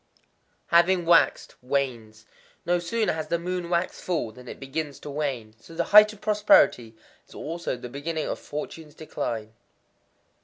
_ Having waxed, wanes. No sooner has the moon waxed full than it begins to wane. So the height of prosperity is also the beginning of fortunes decline.